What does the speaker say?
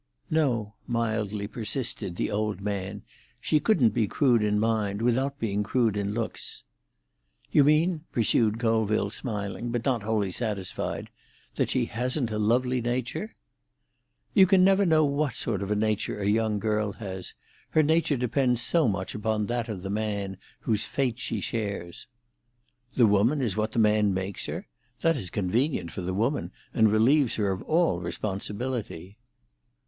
"No," mildly persisted the old man; "she couldn't be crude in mind without being crude in looks." "You mean," pursued Colville, smiling, but not wholly satisfied, "that she hasn't a lovely nature?" "You never can know what sort of nature a young girl has. Her nature depends so much upon that of the man whose fate she shares." "The woman is what the man makes her? That is convenient for the woman, and relieves her of all responsibility."